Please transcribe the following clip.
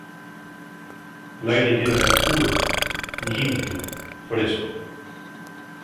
L'aire yera mui puro, llimpio, fresco.